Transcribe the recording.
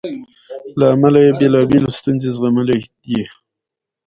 له امله یې بېلابېلې ستونزې زغملې دي.